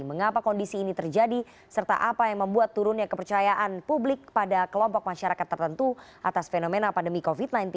mengapa kondisi ini terjadi serta apa yang membuat turunnya kepercayaan publik pada kelompok masyarakat tertentu atas fenomena pandemi covid sembilan belas